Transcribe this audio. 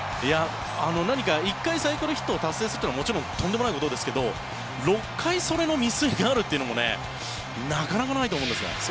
１回、サイクルヒットを達成するのももちろんとんでもないことですけど６回それの未遂があるっていうのもなかなかないと思うんですが。